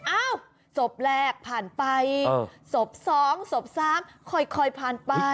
อ้าวศพแรกผ่านไปศพ๒ศพ๓ค่อยผ่านไป